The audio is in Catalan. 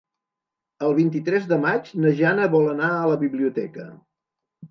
El vint-i-tres de maig na Jana vol anar a la biblioteca.